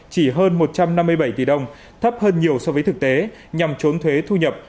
chỉ hơn một trăm năm mươi bảy tỷ đồng thấp hơn nhiều so với thực tế nhằm trốn thuế thu nhập